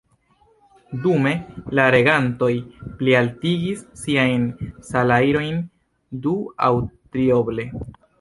Dume la regantoj plialtigis siajn salajrojn du- aŭ trioble!